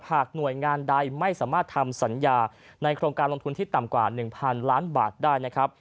หน่วยงานใดไม่สามารถทำสัญญาในโครงการลงทุนที่ต่ำกว่า๑๐๐๐ล้านบาทได้นะครับ